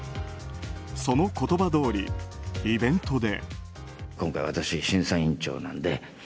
その言葉どおり、イベントで。